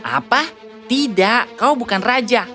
apa tidak kau bukan raja